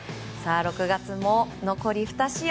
６月も残り２試合。